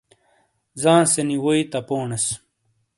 زانسے نی وئی تپونیس۔